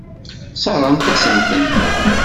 Sseṛɣent-asen-tent.